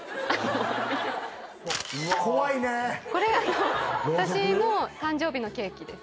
これ私の誕生日のケーキです。